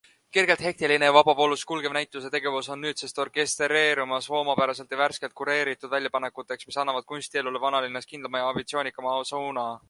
Kergelt hektiline ja vabavoolus kulgev näituse tegevus on nüüdsest orkestreerumas omapäraselt ja värskelt kureeritud väljapanekuteks, mis annavad kunstielule vanalinnas kindlama ja ambitsioonikama suuna.